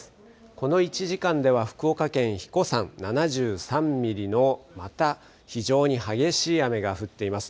この１時間では福岡県英彦山７３ミリのまた非常に激しい雨が降っています。